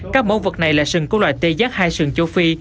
các mẫu vật này là sườn của loài tê giác hai sừng châu phi